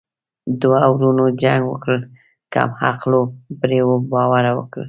ـ دوه ورونو جنګ وکړو کم عقلو پري باور وکړو.